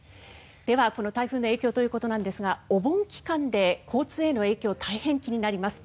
では、この台風の影響ということなんですがお盆期間で交通への影響大変気になります。